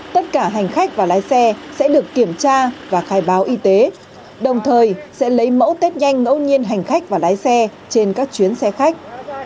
tất cả hành khách và lái xe sẽ được kiểm tra và khai báo y tế đồng thời sẽ lấy mẫu test nhanh ngẫu nhiên hành khách và lái xe trên các chuyến xe khách